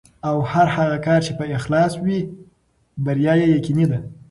او هر هغه کار چې په اخلاص وي، بریا یې یقیني ده.